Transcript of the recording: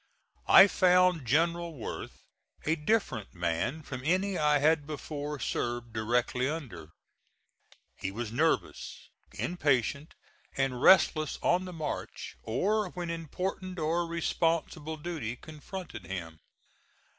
I found General Worth a different man from any I had before served directly under. He was nervous, impatient and restless on the march, or when important or responsible duty confronted him.